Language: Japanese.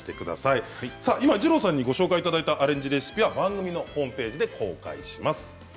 今二郎さんに、ご紹介いただいたアレンジレシピは番組のホームページで公開します。